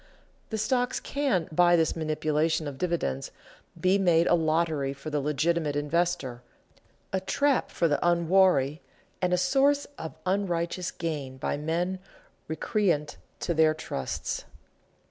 The stocks can, by this manipulation of dividends, be made a lottery for the legitimate investor, a trap for the unwary, and a source of unrighteous gain by men recreant to their trusts.